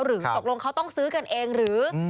หรือตกลงเขาต้องซื้อกันเองหรือ